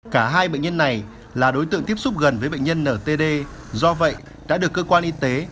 cả hai bệnh nhân này là đối tượng tiếp xúc gần với bệnh nhân ntd do vậy đã được cơ quan y tế